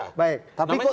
namanya juga pak joko